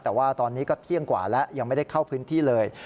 แต่ว่าตอนนี้ก็เที่ยงกว่าแล้วยังไม่ได้เข้าพื้นที่เลย